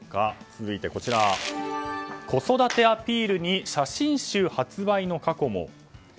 続いて、子育てアピールに「写真集」発売の過去も。